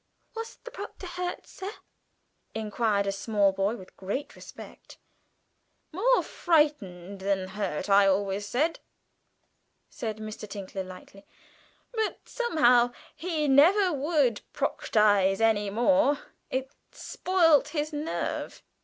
"Was the Proctor hurt, sir?" inquired a small boy with great respect. "More frightened than hurt, I always said," said Mr. Tinkler lightly, "but somehow he never would proctorise any more it spoilt his nerve.